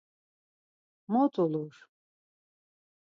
Mot ulur!